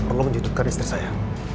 gak perlu menjadukkan istri saya